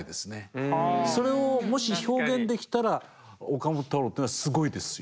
それをもし表現できたら岡本太郎っていうのはすごいですよ。